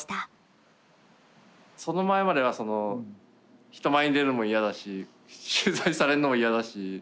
その前までは人前に出るのも嫌だし取材されんのも嫌だし。